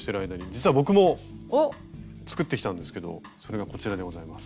実は僕も作ってきたんですけどそれがこちらでございます。